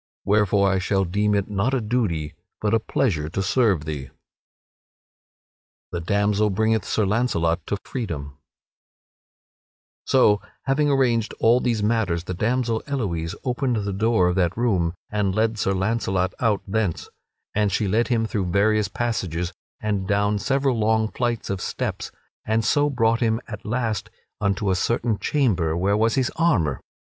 Wherefore I shall deem it not a duty but a pleasure to serve thee." [Sidenote: The damsel bringeth Sir Launcelot to freedom] So, having arranged all these matters, the damsel Elouise opened the door of that room and led Sir Launcelot out thence; and she led him through various passages and down several long flights of steps, and so brought him at last unto a certain chamber, where was his armor.